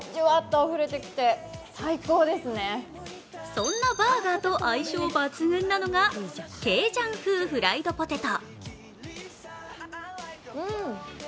そんなバーガーと相性抜群なのがケイジャン風フライドポテト。